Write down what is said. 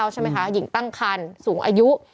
ใช่ไหมคะหญิงตั้งคันสูงอายุ